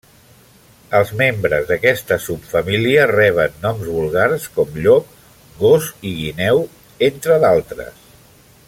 Els membres d'aquesta subfamília reben noms vulgars com llop, gos i guineu, entre d'altres.